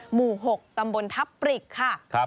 หมู่๖ตำบลทับปริกค่ะ